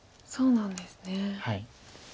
そうなんですね。